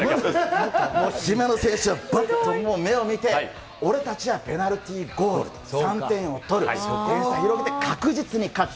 姫野選手は、ばっと目を見て、俺たちはペナルティーゴール、３点を取る、点差広げて確実に勝つ。